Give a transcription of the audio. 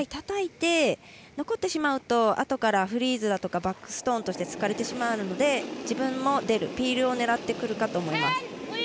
たたいて、残ってしまうとあとからフリーズだとかバックストーンとして使われてしまうので自分も出るピールを狙ってくるかと思います。